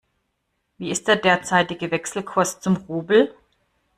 Wie ist der derzeitige Wechselkurs zum Rubel?